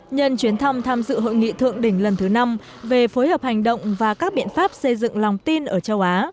nhân chuyến thăm tham dự hội nghị thượng đỉnh lần thứ năm về phối hợp hành động và các biện pháp xây dựng lòng tin ở châu á